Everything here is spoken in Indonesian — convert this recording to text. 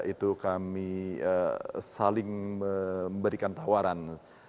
itu kami saling memberikan tawaran